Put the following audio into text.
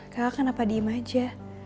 kakak kenapa diem aja